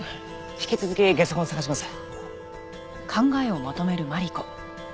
引き続きゲソ痕を捜します。